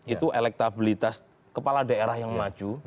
itu elektabilitas kepala daerah yang maju